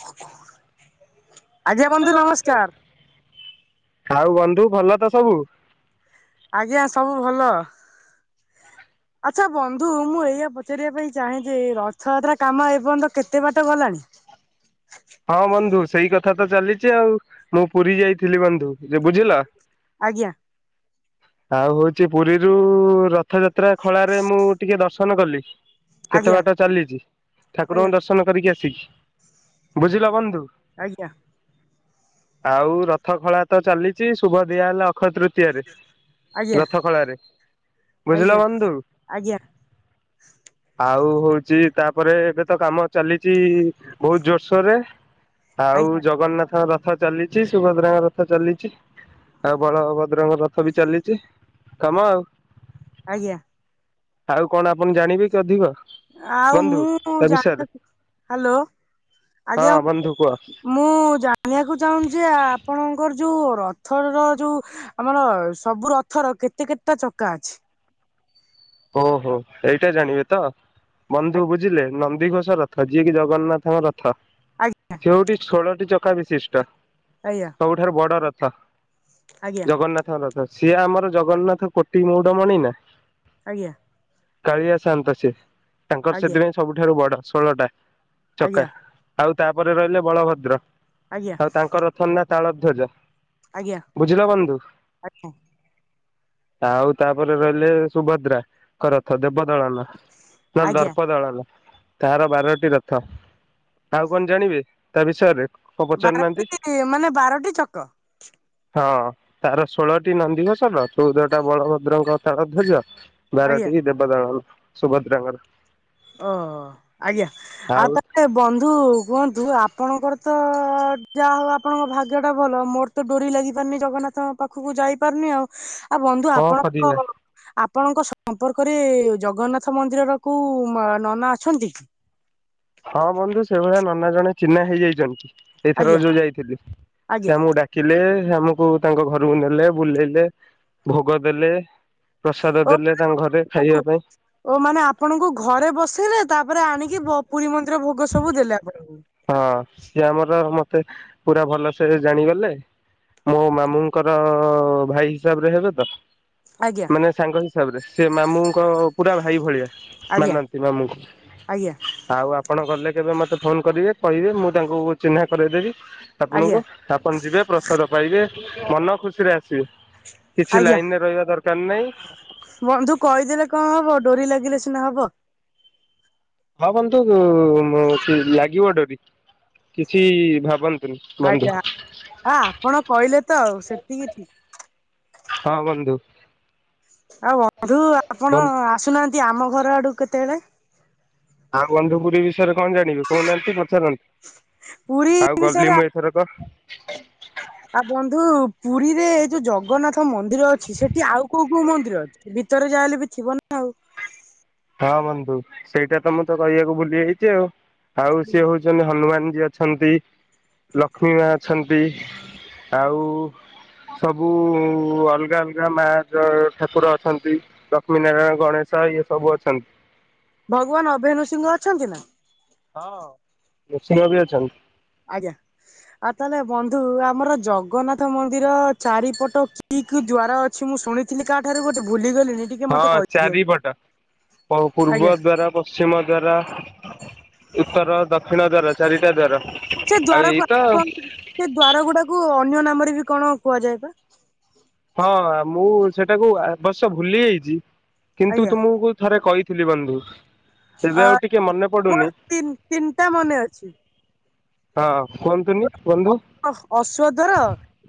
[unintelligible] ବନ୍ଧୁ ନମସ୍କାର ନମସ୍କାର। ଆଉ ବନ୍ଧୁ ଭଲ ତ ସବୁ? ଆଜ୍ଞା, ସବୁ ଭଲ। ଆଚ୍ଛା ବନ୍ଧୁ, ମୁଁ ଏଇଆ ପଚାରିବା ପାଇଁ ଚାହେଁ ଯେ ରଥଯାତ୍ରା କାମ ଏର୍ଯ୍ୟନ୍ତ କେତେ ବାଟ ଗଲାଣି? ହଁ ବନ୍ଧୁ ସେଇ କଥା ତ ଚାଲିଛି ଆଉ, ମୁଁ ପୁରୀ ଯାଇଥିଲି ବନ୍ଧୁ ଯେ ବୁଝିଲ। ଆଜ୍ଞା। ଆଉ ହଉଛି ପୁରୀ ରୁ ଉ ଉ ରଥ୍ ରଥଯାତ୍ରା ଖଳାରେ ମୁଁ ଟିକେ ଦର୍ଶନ କଲି, କେତେ ଆଜ୍ଞା ବାଟ ଚାଲିଛି ଆଜ୍ଞା ଠାକୁରଙ୍କ ଦର୍ଶ ଦର୍ଶନ କରିକି ଆସିଛି। ବୁଝିଲ ବନ୍ଧୁ? ଆଜ୍ଞା। ଆଉ ରଥ ଖଳା ତ ଚାଲିଛି ଶୁଭ ଦିଆହେଲା ଅକ୍ଷୟ ତୃତୀୟାରେ ଆଜ୍ଞା ରଥ ଖଳାରେ ଆଜ୍ଞା ବୁଝିଲ ବନ୍ଧୁ। ଆଜ୍ଞା ଆଉ ହଉଛି ତାପରେ ଏବେ ତ କାମ ଚାଲିଛି ବହୁତ ଜୋର ଶ୍ ଶର ରେ ଆଉ ଆଜ୍ଞା ଜଗନ୍ନାଥଙ୍କ ରଥ ଚାଲିଛି ସୁଭଦ୍ରାଙ୍କ ରଥ ଚାଲିଛି। ଆଉ ବଳଭଦ୍ରଙ୍କ ରଥ ବି ଚାଲିଛି କାମ ଆଉ। ଆଜ୍ଞା। ଆଉ କଣ ଆପଣ ଜାଣିବେ କି ଅଧିକ? ଆଉ ବନ୍ଧୁ ମୁଁ ତା ବିଷୟରେ ଜାଣିବାକୁ ହ୍ୟାଲୋ। ହଁ ଆଜ୍ଞା ବନ୍ଧୁ କୁହ। ମୁଁ ଜାଣିବାକୁ ଚାହୁଁଛି ଯେ ଆପଣଙ୍କର ଯୋଉ ରଥର ଯୋଉ ଆମର ସବୁ ରଥର କେତେ କେତେଟା ଚକା ଅଛି? ଓହୋ ଏଇଟା ଜାଣିବେ ତ। ବନ୍ଧୁ ବୁଝିଲେ ନନ୍ଦିଘୋଷ ରଥ ଯିଏ କି ଜଗନ୍ନାଥଙ୍କ ରଥ ରଥ ଆଜ୍ଞା ସେ ହଉଚି ଷୋଳଟି ଚକା ବିଶିଷ୍ଟ। ଆଜ୍ଞା। ସବୁଠାରୁ ବଡ ରଥ ଆଜ୍ଞା ଜଗନ୍ନାଥ ରଥ ସିଏ ଆମର ଜଗନ୍ନାଥ କୋଟି ମୌଡମଣି ନା। ଆଜ୍ଞା। କାଳିଆ ସାଆନ୍ତ ସେ ତାଙ୍କର ଆଜ୍ଞା ସେଥିପାଇଁ ସବୁଠାରୁ ବଡ ଷୋଳଟା ଚକା। ଆଜ୍ଞା ଆଉ ତାପରେ ରହିଲେ ବଳଭଦ୍ର ଆଜ୍ଞା ଆଉ ତାଙ୍କ ରଥର ନା ତାଳଧ୍ୱଜ। ଆଜ୍ଞା ବୁଝିଲ ବନ୍ଧୁ। ଆଜ୍ଞା ଆଉ ତାପରେ ରହିଲେ ସୁଭଦ୍ରାଙ୍କ ରଥ ଦେବଦଳନ। ନାଁ ଆଜ୍ଞା ଦର୍ପଦଳନ। ତାର ବାରଟି ରଥ ଆଉ କଣ ଜାଣିବେ ତା ବିଷୟରେ? କଣ ପଚାରୁନାହାନ୍ତି ବାରଟି ମାନେ ବାରଟି ଚକ। ହଁ ତାର ଷୋଳଟି ନନ୍ଦୀଘୋଷର ଚଉଦଟା ବଳଭଦ୍ରଙ୍କ ତାଳ ଧ୍ଵଜ। ଆଜ୍ଞା ବାରଟି ଦେବଦଳନ ସୁଭଦ୍ରାଙ୍କର। ଓ ଆଜ୍ଞା ଆଉ ତାପରେ ବନ୍ଧୁ କୁହନ୍ତୁ ଆପଣଙ୍କର ତ ଅ ଅ ଯାହା ହଉ ଆପଣଙ୍କ ଭାଗ୍ୟ ଟା ଭଲ ମୋର ତ ଡୋରି ଲାଗି ପାରୁନି ଜଗନ୍ନାଥଙ୍କ ପାଖକୁ ଯାଇ ପାରୁନି ଆଉ। ଆ ବନ୍ଧୁ କଣ ଆପଣଙ୍କ କରିବା ଆପଣଙ୍କ ସମ୍ପର୍କରେ ଜଗନ୍ନାଥ ମନ୍ଦିରର କୁ ଉଁ ମାଁ ନନା ଅଛନ୍ତି। ହଁ ବନ୍ଧୁ ସେଇଭଳିଆ ନନା ଜଣେ ଚିହ୍ନା ହେଇଯାଇଚନ୍ତି। ଏଇଥର ଆଜ୍ଞା ଯୋଉ ଯାଇଥିଲି। ଆଜ୍ଞା ସେ ଆମକୁ ଡା କିଲେ ହେ ଆମକୁ ତାଙ୍କ ଘରୁକୁ ନେଲେ ବୁଲେଇଲେ। ଭୋଗ ଦେଲେ। ପ୍ରସାଦ ଓ ଦେଲେ ତାଙ୍କ ଘରେ ଖାଇବା ପାଇଁ। ଓ ମାନେ ଆପଣଙ୍କୁ ଘରେ ବସେଇଲେ ତାପରେ ଆଣିକି ବ ପୁରୀ ମନ୍ଦିର ଭୋଗ ସବୁ ଦେଲେ ଆପଣଙ୍କୁ। ହଁ ସିଏ ଆମର ମୋତେ ପୁରା ଭଲସେ ଜାଣିଗଲେ। ମୋ ମାମୁଁଙ୍କର ଭାଇ ହିସାବରେ ହେବେ ତ। ଆଜ୍ଞା ମାନେ ସାଙ୍ଗ ହିସାବରେ। ସେ ମାମୁଁଙ୍କ ପୁରା ଭାଇ ଭଳିଆ। ଆଜ୍ଞା ମାନନ୍ତି ମାମୁଙ୍କୁ। ଆଜ୍ଞା ଆଉ ଆପଣ ଗଲେ କେବେ ମତେ ଫୋନ କରିବେ। କହିବେ ମୁଁ ତାଙ୍କୁ ଚିହ୍ନା କରେଇଦେବି ଆଜ୍ଞା ଆପଣଙ୍କୁ। ଆପଣ ଯିବେ ପ୍ରସାଦ ପାଇବେ। ମନ ଖୁସିରେ ଆସିବେ। କିଛି ଆଜ୍ଞା ଲାଇନରେ ରହିବା ଦର କାର ନାଇଁ। ବନ୍ଧୁ କହିଦେଲେ କଣ ହବ ଡୋରି ଲାଗିଲେ ସିନା ହବ। ହଁ ବନ୍ଧୁ ଉଁ ଲାଗିବ ଡୋରି। କିଛି ଭାବନି ଆଜ୍ଞା ଅ ଆପଣ କହିଲେ ତ ଆଉ ସେତିକି ଠିକ୍। ହଁ ବନ୍ଧୁ। ଆଉ ବନ୍ଧୁ ଆପଣ ବନ୍ଧୁ ଆସୁନାହାନ୍ତି ଆମ ଘର ଆଡୁ କେତେବେଳେ? ଆଉ ବନ୍ଧୁ ପୁରୀ ବିଷୟରେ କଣ ଯାଣିବେ କହୁନାହାନ୍ତି ପଚାରନ୍ତୁ। ପୁରୀ ଆଉ ଗଲି ବିଷୟରେ ମୁଁ ଆ ଏଥରକ ଆ ବନ୍ଧୁ ପୁରୀରେ ଯୋଉ ଜଗନ୍ନାଥ ମନ୍ଦିର ଅଛି। ସେଟି ଆଉ କୋଉ କୋଉ ମନ୍ଦିର ଅଛି? ଭିତରେ ଯା ହେଲେ ବି ଥିବ ନା ଆଉ। ହଁ ବନ୍ଧୁ ସେଇଟା ତ ମୁଁ ତ କହିବାକୁ ଭୁଲି ଯାଇଚି ଆଉ। ଆଉ ସିଏ ହୋଉ ଚନ୍ତି ହନୁମାନ ଯି ଅଛନ୍ତି। ଲକ୍ଷ୍ମୀ ମା ଅଛନ୍ତି। ଆଉ ସବୁ ଅଲଗା ଅଲଗା ମା ଜୟ ଠାକୁର ଅଛନ୍ତି। ଲକ୍ଷ୍ମୀନାରାୟଣ ଗଣେଶ ଇଏ ସବୁ ଅଛନ୍ତି। ଭଗବାନ ଅଭୟ ନୃସିଂହ ଅଛନ୍ତି ନା। ହଁ ନୃସିଂହ ବି ଅଛନ୍ତି। ଆଜ୍ଞା ଆଉ ତାହେଲେ ବନ୍ଧୁ ଆମର ଜଗନ୍ନାଥ ମନ୍ଦିର ଚାରିପଟ କି କି ଦ୍ୱାର ଅ ମୁଁ ଶୁଣିଥିଲି କା ଠାରୁ ଗୋଟେ ଭୁଲିଗଲିଣି ଟିକେ ମତେ ହଁ କହିଦିଅନ୍ତୁ ଚାରିପଟ ପ ଆଜ୍ଞା। ପୂର୍ବ ଦ୍ଵାରା ପଶ୍ଚିମ ଦ୍ଵାରା। ଉତ୍ତର ଦକ୍ଷିଣ ଦ୍ଵାର ଚାରିଟା ଦ୍ଵାର ଆଉ ଏଇ ତ। ଏ ଦ୍ଵାର ଗୁଡାକୁ ଅନ୍ୟ ନାମରେ ବି କଣ କୁହାଯାଏ ପା। ହଁ ମୁଁ ସେଟାକୁ ଆବଶ୍ୟ ଭୁଲି ଯାଇଚି। କିନ୍ତୁ ଆଜ୍ଞା ତମୁକୁ ଥରେ କଇଥିଲି ବନ୍ଧୁ। ଏବେ ଆ ଆଉ ଟିକେ ମନେ ମୋର ପଡୁନି। ତିନ ତିନିଟା ମନେ ଅଛି। ହଁ କୁଅନ୍ତୁନି ବନ୍ଧୁ। ଅହ୍ ଅଶ୍ବଦ୍ଵାର।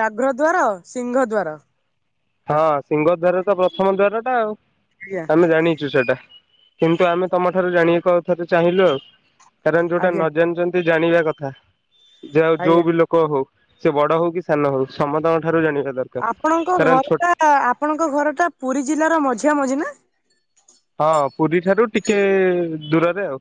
ବ୍ୟାଘ୍ର ଦ୍ଵାର। ସିଂହ ଦ୍ଵାର। ହଁ ସିଂହ ଦ୍ଵାର ତ ପ୍ରଥମ ଦ୍ୱାର ଟା ଆଉ। ଆଜ୍ଞା ଆମେ ଜାଣିଚୁ ସେଟା। କିନ୍ତୁ ଆମେ ତମ ଠାରୁ ଜାଣିଆକୁ ଆଉ ଥରେ ଚାହିଁଲୁ ଆଉ। କାରଣ ଯୋଉଟା ଆଜ୍ଞା ନ ଜାଣିଚନ୍ତି କି ଜାଣିବା କଥା। ଜ ଯଉ ଆଜ୍ଞା ଯୋଉ ବି ଲୋ କହୁ ସେ ବଡ ହଉ କି ସାନ ହଉ ସମତଙ୍କ ଠାରୁ ଜାଣିବା ଦରକାର। ଆପଣଙ୍କ କାରଣ ଛୋଟ ଘରଟା ଆପଣଙ୍କ ଘରଟା ପୁରୀ ଜିଲ୍ଲାର ମଝିଆ ମଝି ନା। ହଁ ପୁରୀ ଠାରୁ ଟିକେ ଦୂରରେ ଆଉ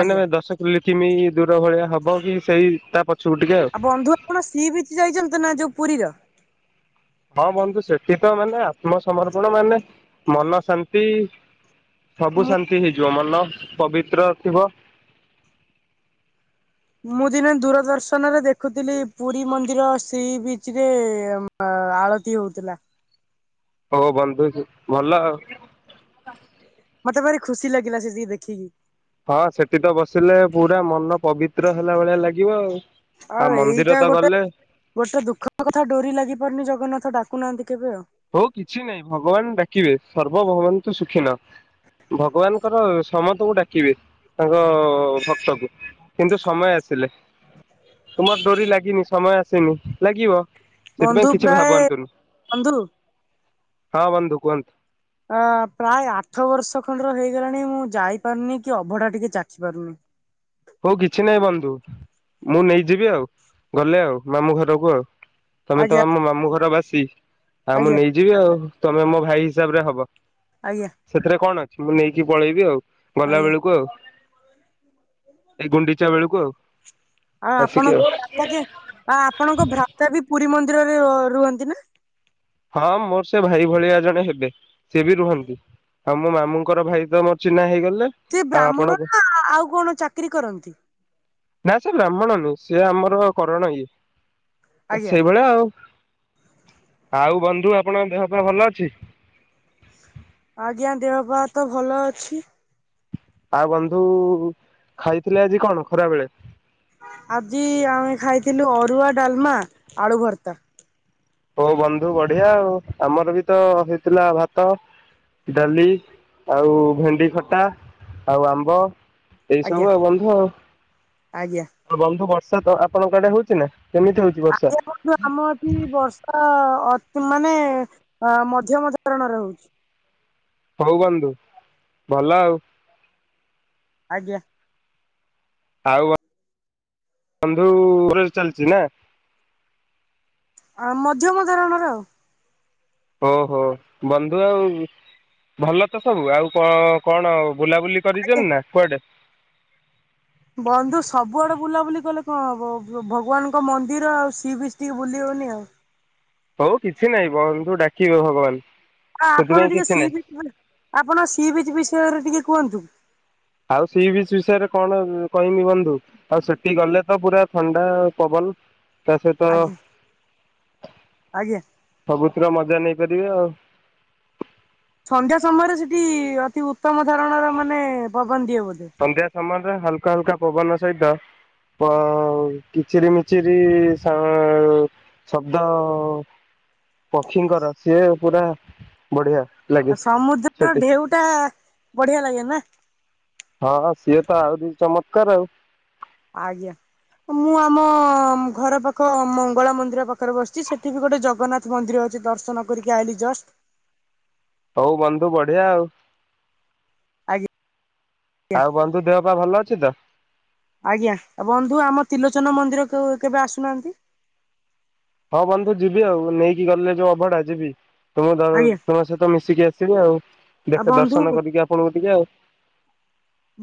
ମାନେ ଆଜ୍ଞା ଦଶ ଲି କିମି ଦୂର ଭଳିଆ ହବ। କି ସେଇ ତା ପ ଆ ବନ୍ଧୁ ଆପଣ ସିଇ ବିଚି ଯାଇଚନ୍ତି ନା ଯୋଉ ପୁରୀର? ହଁ ବନ୍ଧୁ ସେଟି ତ ମାନେ ଆତ୍ମସମର୍ପଣ ମାନେ ମନ ଶାନ୍ତି। ସବୁ ମୁଁ ଶାନ୍ତି ହେଇଯିବ ମନ ପବିତ୍ର ଥିବ। ମୁଁ ଦିନେ ଦୂରଦର୍ଶନରେ ଦେଖୁଥିଲି ପୁରୀ ମନ୍ଦିର ଶ୍ରୀ ବିଚ ରେ ଅ ଆଳତି ହଉଥିଲା। ହଉ ବନ୍ଧୁ ଭଲ ଆଉ। ମତେ ଭାରି ଖୁସି ଲାଗିଲା ସେ ଯି ଦେଖିକି। ହଁ ସେଠି ତ ବସିଲେ ପୁରା ମନ ପବିତ୍ର ହେଲା ଭଳିଆ ଲାଗିବ ଆଉ। ଆଉ ଏଇଟା ମନ୍ଦିର ତ ଗୋଟେ ଗଲେ ଗୋଟେ ଦୁଃଖ କଥା ଡୋରି ଲାଗି ପାରୁନି ଜଗନ୍ନାଥ ଡାକୁନାହାନ୍ତି କେବେ ଆଉ। ହଉ କିଛି ନାହିଁ ଭଗବାନ ଡାକିବେ ସର୍ବଭଗବାନ ତୁ ସୁଖୀ ନ। ଭଗବାନଙ୍କର ସମତକୁ ଡାକିବେ ତାଙ୍କ ଭକ୍ତକୁ କିନ୍ତୁ ସମୟ ଆସିଲେ ତୁମ ଡୋରି ଲାଗିନି ସମୟ ଆସିନି ଲାଗିବ। ବନ୍ଧୁ ସେଥିପାଇଁ କିଛି ପ୍ରାୟ ଭାବନ୍ତୁନି। ବନ୍ଧୁ ହଁ ବନ୍ଦୁ କୁହନ୍ତୁ। ଅ ପ୍ରାୟ ଆଠ ବର୍ଷ ଖଣ୍ଡର ହେଇଗଲାଣି ମୁଁ ଯାଇପାରୁନି କି ଅଭଢା ଟିକେ ଚାଖି ପାରୁନି। ହଉ କିଛି ନାହିଁ ବନ୍ଧୁ ମୁଁ ନେଇଯିବି ଆଉ ଗଲେ ଆଉ ମାମଁ ଘରକୁ ଆଉ। ତମେ ତ ଆଜ୍ଞା ଆମ ମାମୁଁ ଘର ବାସି ଆଉ ମୁଁ ଆଜ୍ଞା ନେଇଯିବି ଆଉ ତମେ ମୋ ଭାଇ ହିସାବରେ ହବ। ଆଜ୍ଞା। ସେଥିରେ କଣ ଅଛି ମୁଁ ନେଇକି ପଳେଇବି ଆଉ ଗଲା ଆଜ୍ଞା ବେଳକୁ ଆଉ। ଏଇ ଗୁଣ୍ଡିଚା ବେଳକୁ ଆଉ। ଆଉ ଆପଣଙ୍କ ଭ୍ରାତା କେନ ଆଉ ଆପଣଙ୍କ ଭ୍ରାତା ବି ପୁରୀ ମନ୍ଦିରରେ ରୁଅ ରୁହନ୍ତି ନା। ହଁ ମୋର ସେ ଭାଇ ଭଳିଆ ଜଣେ ହେବେ ସେ ବି ରୁହନ୍ତି। ଆଉ ମୋ ମାମୁଁଙ୍କର ଭାଇ ତ ମୋର ଚିହ୍ନା ହେଇଗଲେ। ସେ ଆଉ ବ୍ରାହ୍ମଣ ଆପଣଙ୍କ ନା ଆଉ କଣ ଚାକିରି କରନ୍ତି। ନା ସେ ବ୍ରାହ୍ମଣ ନୁଁ ସିଏ ଆମର କରଣ ଇଏ ଆଜ୍ଞା ସେଇଭଳିଆ ଆଉ। ଆଉ ବନ୍ଧୁ ଆପଣଙ୍କ ଦେହ ପା ଭଲ ଅଛି? ଆଜ୍ଞା ଦେହ ପାହା ତ ଭଲ ଅଛି। ଆଉ ବନ୍ଧୁ ଖାଇଥିଲେ ଆଜି କଣ ଖରା ବେଳେ? ଆଜି ଆମେ ଖାଇଥିଲୁ ଅରୁଆ ଡାଲମା ଆଳୁ ଭର୍ତ୍ତା। ହୋ ବନ୍ଧୁ ବଢିଆ ଆଉ ଆମର ବି ତ ହେଇଥିଲା ଭାତ। ଡାଲି ଆଉ ଭେଣ୍ଡି ଖଟା ଆଉ ଆମ୍ବ। ଏଇ ସବୁ ଆଜ୍ଞା ଆଉ ବନ୍ଧୁ ଆଉ ଆଜ୍ଞା। ଆଉ ବନ୍ଧୁ ବର୍ଷା ତ ଆପଣଙ୍କ ଆଡେ ହଉଛି ନା କେମିତି ହଉଛି? ବର୍ଷା? [unintelligible] କିନ୍ତୁ ଆମ ଏଠି ବର୍ଷା ଅତି ମାନେ ଅ ମଧ୍ୟମ ଧରଣରେ ହଉଛି। ହଉ ବନ୍ଧୁ ଭଲ ଆଉ। ଆଜ୍ଞା। ଆଉ ବନ୍ଧୁ ଓରାଲ ଚାଲିଛି ନା। ଆ ମଧ୍ୟମ ଧରଣର ଆଉ। ଓହୋ ବନ୍ଧୁ ଆଉଁ ଭଲ ତ ସବୁ ଆଉ କ କଣ ବୁଲାବୁଲି ଆଜ୍ଞା। କରିଛନ୍ତି ନା କୁଆଡେ? ବନ୍ଧୁ ସବୁଆଡେ ବୁଲାବୁଲି କଲେ କଣ ହବ ଭ-ଭଗବାନଙ୍କ ମନ୍ଦିର ଆଉ ସି ବିଚ ଟିକେ ବୁଲି ହବନି ଆଉ। ହଉ କିଛି ନାଇଁ ବନ୍ଧୁ ଡାକିବେ ଭଗବାନ। ଆ-ଆପଣ ସେଥିପାଇଁ ଟିକେ କିଛି ସି ନାହିଁ ବିଚ୍ [unintelligible] ଆପଣ ସି ବିଚ୍ ବିଷୟରେ ଟିକେ କୁହନ୍ତୁ। ଆଉ ସି ବିଚ ବିଷୟରେ କଣ କହିମି ବନ୍ଧୁ? ଆଉ ସେଠି ଗଲେ ତ ପୁରା ଥଣ୍ଡା ପବନ। ତା ସହିତ ଆଜ୍ଞା ଆଜ୍ଞା। ସବୁଥିର ମଜା ନେଇପାରିବେ ଆଉ। ସନ୍ଧ୍ୟା ସମୟରେ ସେଠି ଅତି ଉତ୍ତମ ଧରଣର ମାନେ ପବନ ଦିଏ ବୋଧେ। ସନ୍ଧ୍ୟା ସମୟରେ ହାଲକା ହାଲକା ପବନ ସହିତ। ପ କିଚିରି ମିଚିରି ସା ଶବ୍ଦ ପକ୍ଷୀଙ୍କର ସିଏ ପୁରା ବଢିଆ। ଲାଗେ ଆଉ ସମୁଦ୍ରର ସେଠି ଢେଉଟା ବଢିଆ ଲାଗେନା। ହଁ ହଁ ସିଏତ ଆହୁରି ଚମତ୍କାର ଆଉ। ଆଜ୍ଞା। ମୁଁ ଆମ ଘରପାଖ ମଙ୍ଗଳା ମନ୍ଦିର ପାଖରେ ବସିଛି ସେଠି ବି ଗୋଟେ ଜଗନ୍ନା ମନ୍ଦିର ଅଛି ଦର୍ଶନ କରିକି ଆଇଲିି ଜଷ୍ଟ। ହଉ ବନ୍ଧୁ ବଢିଆ ଆଉ। ଆଗି ଆଉ ବନ୍ଧୁ ଦେହ ପା ଭଲ ଅଛି ତ? ଆଜ୍ଞା ଆ ବନ୍ଧୁ ଆମ ତିିଲୋଚନ ମନ୍ଦିର କୁ କେବେ ଆସୁନାହାନ୍ତି? ହଁ ବନ୍ଧୁ ଯିବି ଆଉ ନେଇକି ଗଲେ ଯୋଉ ଅଭଢା ଯିବି। ତୁମ ଦ ଆଜ୍ଞା ତୁମ ସହିତ ମିଶିକି ଆସିବି ଆଉ ଆଉ ଦେଖା ବନ୍ଧୁ ଦର୍ଶନ କରିକି ଆପଣଙ୍କୁ ଟିକେ ଆଉ।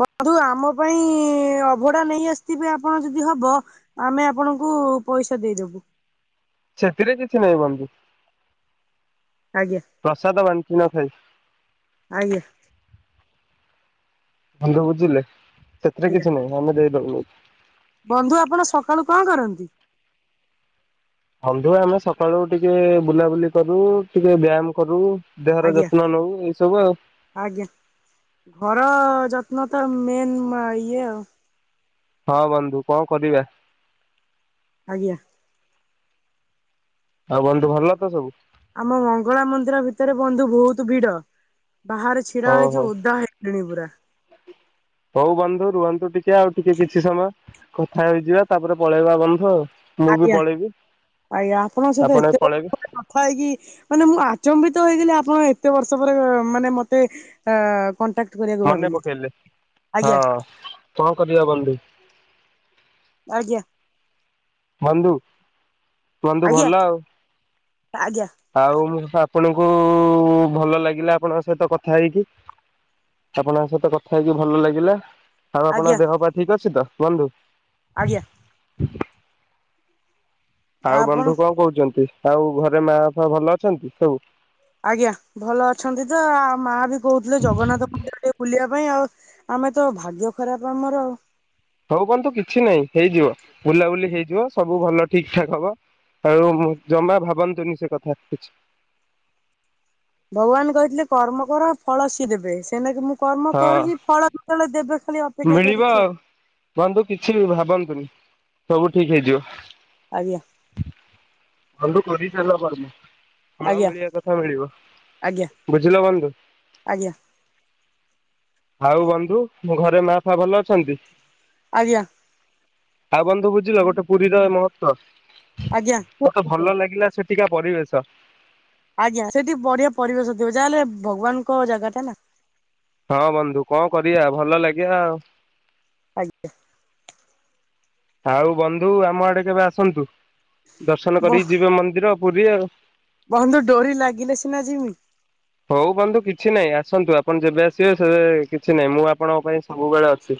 ବନ୍ଧୁ ଆମ ପାଇଁ ଅଭଡା ନେଇ ଆସିଥିବେ ଆପଣ ଯଦି ହବ। ଆମେ ଆପଣଙ୍କୁ ପଇସା ଦେଇଦବୁ। ସେଥିରେ କିଛି ନାହିଁ ବନ୍ଧୁ। ଆଜ୍ଞା। ପ୍ରସାଦ ବାଣ୍ଟି ନ ଖାଇ। ଆଜ୍ଞା। ବନ୍ଧୁ ବୁଝିଲେ ସେଥିରେ ଆଜ୍ଞା କିଛି ନାହିଁ ଆମେ ଦେଇଦେବୁ ନେଇ। ବନ୍ଧୁ ଆପଣ ସକାଳୁ କଣ କରନ୍ତି? ବନ୍ଧୁ ଆମେ ସକାଳୁ ଟିକେ ବୁଲାବୁଲି କରୁ ଟିକେ ବ୍ୟାୟାମ କରୁ। ଦେହର ଆଜ୍ଞା ଯତ୍ନ ନଉ ଏଇସବୁ ଆଉ। ଆଜ୍ଞା ଘର ଯତ୍ନ ତ ମେନ ମା ଇଏ ଆଉ। ହଁ ବନ୍ଧୁ କଣ କରିବା? ଆଜ୍ଞା। ଆଉ ବନ୍ଧୁ ଭଲତ ସବୁ? ଆମ ମଙ୍ଗଳା ମନ୍ଦିର ଭିତରେ ବନ୍ଧୁ ବହୁତ ଭିଡ ବାହାରେ ଛିଡା ହଉ ହେଇଛୁ ହଉ ଓଦା ହେଇ ଗଲିଣି ପୁରା। ହଉ ବନ୍ଧୁ ରୁହନ୍ତୁ ଟିକେ ଆଉ ଟିକେ କିଛି ସମୟ କଥା ହେଇଯିବା ତାପରେ ପଳେଇବା ବନ୍ଧୁ ଆଉ। ମୁଁ ବି ଆଜ୍ଞା ପଳେଇବି ଆଜ୍ଞା ଆପଣଙ୍କ ସହିତ ଆପଣ ବି ଏତେ [inaudible] ପଳେଇବେ କଥା ହେଇକି ମାନେ ମୁଁ ଆଚମ୍ବିତ ହେଇଗଲି ଆପଣ ଏତେ ବର୍ଷ ପରେ ମାନେ ମତେ। ଆ କଣ୍ଟାକ ମନେ ପକେଇଲେ ହଁ କଣ କରିବା ବନ୍ଧୁ। ଆଜ୍ଞା। ବନ୍ଧୁ ବନ୍ଧୁ ଆଜ୍ଞା ଭଲ ଆଉ। ଆଜ୍ଞା ଆଉ ଆପଣଙ୍କୁ ଭଲ ଲାଗିଲା ଆପଣଙ୍କ ସହିତ କଥା ହେଇକି। ଆପଣଙ୍କ ସହିତ କଥା ହେଇକି ଭଲ ଲାଗିଲା ଆଉ ଆଜ୍ଞା ଆପଣଙ୍କ ଦେହ ପା ଠିକ୍ ଅଛି ତ ବନ୍ଧୁ? ଆଜ୍ଞା। ଆଉ ଆପଣ ବନ୍ଧୁ କଣ କହୁଛନ୍ତି ଆଉ ଘରେ ମା ବାପା ଭଲ ଅଛନ୍ତି ସବୁ? ଆଜ୍ଞା ଭଲ ଅଛନ୍ତି ତ ଆ ମା ବି କହୁଥିଲେ ଜଗନ୍ନାଥ ମନ୍ଦିର ଟିକେ ବୁଲିବା ପାଇଁ ଆଉ। ଆମେ ତ ଭାଗ୍ୟ ଖରାପ ଆମର। ହଉ ବନ୍ଧୁ କିଛି ନାହିଁ ହେଇଯିବ ବୁଲାବୁଲି ହେଇଯିବ ସବୁ ଭଲ ଠିକ୍ ଠାକ୍ ହବ। ଆଉ ଜମା ଭାବନ୍ତୁନି ସେକଥା କିଛି। ଭଗବାନ କହିଥିଲେ କର୍ମ କର ଫଳ ସିଏ ଦେବେ ସେ ନାଗି ମୁଁ କର୍ମ ହଁ କରୁଚି ଫଳ ଫଳ [unintelligible] ମିଳିବ ଆଉ ବନ୍ଧୁ କିଛି ବି ଭାବନ୍ତୁନି ସବୁ ଠିକ୍ ହେଇଯିବ। ଆଜ୍ଞା। ବନ୍ଧୁ କରିଚାଲ କର୍ମ। ଫଳ ଆଜ୍ଞା ମିଳିବା କଥା ମିଳିବ ଆଜ୍ଞା ବୁଝିଲ ବନ୍ଧୁ। ଆଜ୍ଞା। ଆଉ ବନ୍ଧୁ ଘରେ ମା ଫା ଭଲ ଅଛନ୍ତି? ଆଜ୍ଞା। ଆଉ ବନ୍ଧୁ ବୁଝିଲ ଗୋଟେ ପୁରୀର ମହତ୍ତ୍ୱ। ଆଜ୍ଞା ମତେ କୁହନ୍ତୁ ଭଲ କୁହନ୍ତୁ। ଲାଗିଲା ସେଟିକା ପରିବେଶ। ଆଜ୍ଞା ସେଠି ବଢ଼ିଆ ପରିବେଶ ଥିବ ଯାହାହେଲେ ଭଗବାନଙ୍କ ଜାଗା ଟା ନା। ହଁ ବନ୍ଧୁ କଣ କରିବା ଭଲ ଲାଗିବା ଆଉ। ଆଜ୍ଞା। ଆଉ ବନ୍ଧୁ ଆମ ଆଡ଼େ କେବେ ଆସନ୍ତୁ ଦର୍ଶନ ବ କରିକି ଯିବେ ମନ୍ଦିର ପୁରୀ ଆଉ। ବନ୍ଧୁ ଡୋରି ଲାଗିଲେ ସିନା ଯିମି। ହଉ ବନ୍ଧୁ କିଛି ନାହିଁ ଆସନ୍ତୁ ଆପଣ ଯେବେ ଆସିବେ ସେବେ କିଛି ନାହିଁ ମୁଁ ଆପଣଙ୍କ ପାଇଁ ସବୁବେଳେ ଅଛି।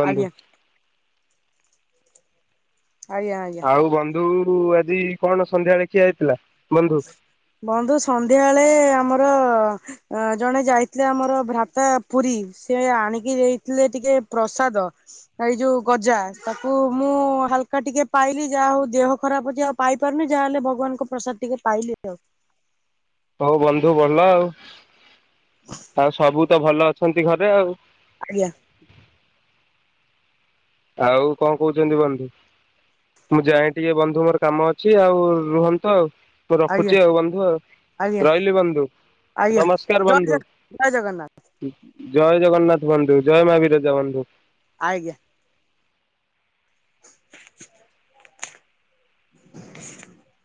ବନ୍ଧୁ। ଆଜ୍ଞା ଆଜ୍ଞା [unintelligible] ଆଉ ବନ୍ଧୁ ଆଜି କଣ ସନ୍ଧ୍ୟାବେଳେ ଖିଆ ହେଇଥିଲା ବନ୍ଧୁ? ବନ୍ଧୁ ସନ୍ଧ୍ୟାବେଳେ ଆମର ଅ ଜଣେ ଯାଇଥିଲେ ଆମର ଭ୍ରାତା ପୁରୀ ସେ ଆଣିକି ଦେଇଥିଲେ ଟିକେ ପ୍ରସାଦ। ଏଇ ଯୋଉ ଗଜା ତାକୁ ମୁଁ ହାଲ ହାଲ୍କା ଟିକେ ପାଇଲି ଯାହା ହଉ ଦେହ ଖରାପ ଅଛି ଆଉ ପାଇପାରୁନି ଯାହାହେଲେ ଭଗବାନଙ୍କ ପ୍ରସାଦ ଟିକେ ପାଇଲି ଆଉ। ହଉ ବନ୍ଧୁ ଭଲ ଆଉ ଆଉ ସବୁ ତ ଭଲ ଅଛନ୍ତି ଘରେ ଆଉ। ଆଜ୍ଞା। ଆଉ କଣ କହୁଛନ୍ତି ବନ୍ଧୁ? ମୁଁ ଯାଏ ଟିକେ ବନ୍ଧୁ ମୋର କାମ ଅଛି ଆଉ ରୁହନ୍ତୁ ଆଉ। ମୁଁ ଆଜ୍ଞା ରଖୁଛି ଆଉ ବନ୍ଧୁ ଆଉ ଆଜ୍ଞା ରହିଲି ବନ୍ଧୁ। ଆଜ୍ଞା ନମସ୍କାର ଜୟ ବନ୍ଧୁ। ଜଗ ଜୟ ଜଗନ୍ନାଥ ଜୟ ଜଗନ୍ନାଥ ବନ୍ଧୁ ଜୟ ମା ବିରଜା ବନ୍ଧୁ। ଆଜ୍ଞା। [inaudible]